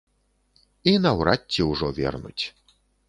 І наўрад ці ўжо вернуць.